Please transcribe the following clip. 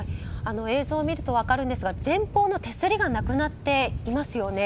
映像を見ると分かるんですが前方の手すりがなくなっていますよね。